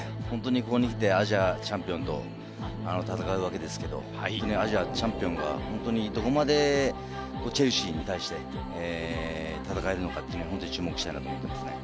ここに来て、アジアチャンピオンと戦うわけですが、アジアチャンピオンが本当にどこまでチェルシーに対して、戦えるのかというのを注目したいなと思います。